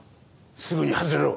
すぐに外れろ。